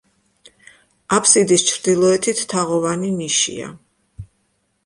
აბსიდის ჩრდილოეთით თაღოვანი ნიშია.